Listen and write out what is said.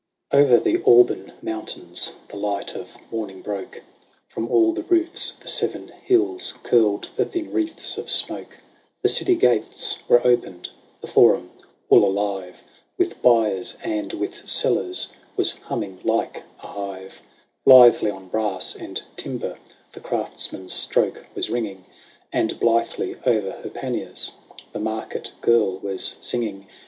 Over the Alban mountains the light of morning broke ; From all the roofs of the Seven Hills curled the thin wreaths of smoke : The city gates were opened ; the Forum, all alive, With buyers and with sellers was humming like a hive : Blithely on brass and timber the craftsman's stroke was ringing. And blithely o'er her panniers the market girl was singing.